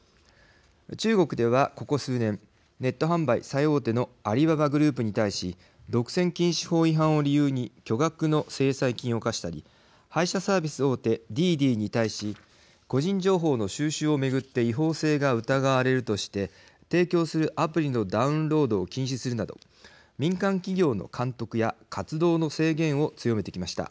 中国では、ここ数年ネット販売最大手のアリババグループに対し独占禁止法違反を理由に巨額の制裁金を科したり配車サービス大手、滴滴に対し個人情報の収集を巡って違法性が疑われるとして提供するアプリのダウンロードを禁止するなど、民間企業の監督や活動の制限を強めてきました。